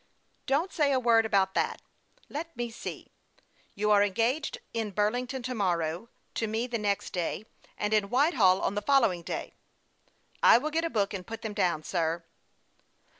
" Don't say a word about that. Let me see : you are engaged in Burlington to morrow, to me the next day, and in Whitehall on the following day." " I will get a book and put them down, sir."